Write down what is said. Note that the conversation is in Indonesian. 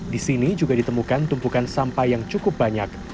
di sini juga ditemukan tumpukan sampah yang cukup banyak